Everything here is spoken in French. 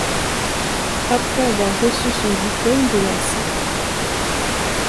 Après avoir reçu son diplôme de la St.